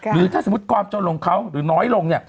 หรือถ้าสมมุติความจนลงเขาหรือน้อยลงเนี่ย